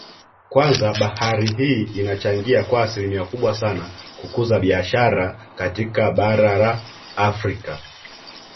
Kwanza bahari hii inachangia kwa asilimia kubwa sana kukuza biashara katika bara la Afrika